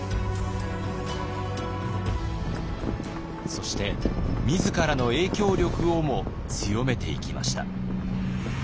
そして自らの影響力をも強めていきました。